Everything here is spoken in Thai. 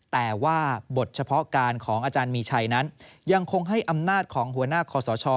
แต่ว่าบทเฉพาะการของอาจารย์มีชัยนั้นยังคงให้อำนาจของหัวหน้าคอสช